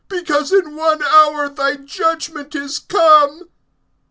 Because in one hour thy judgment is come.